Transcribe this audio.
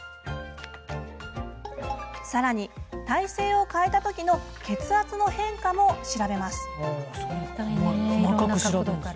さらに体勢を変えた時の血圧の変化も調べます。